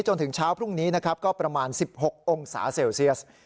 จนถึงเช้าพรุ่งนี้นะครับก็ประมาณ๑๖องศาเซลเซียส